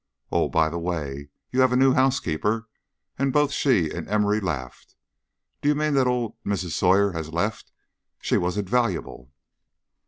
Oh, by the way, you have a new housekeeper;" and both she and Emory laughed. "Do you mean that old Mrs. Sawyer has left? She was invaluable."